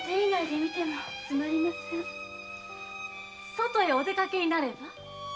外へおでかけになれば？